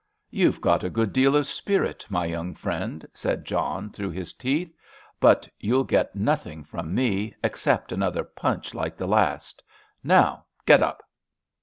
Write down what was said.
"You've got a good deal of spirit, my young friend," said John, through his teeth, "but you'll get nothing from me, except another punch like the last! Now, get up!"